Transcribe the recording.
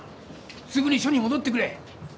すぐに署に戻ってくれ！